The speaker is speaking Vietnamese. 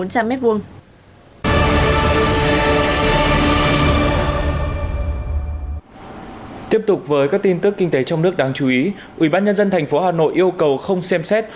nhưng qua tempter trong nước đáng chú ý ubnd thành phố hà nội yêu cầu không xem xét